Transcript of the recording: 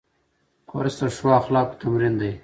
کورس د ښو اخلاقو تمرین دی.